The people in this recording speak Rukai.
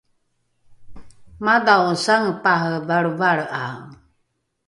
madhao sangepare valrevalre’ae